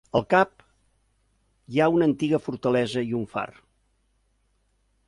Al cap hi ha una antiga fortalesa i un far.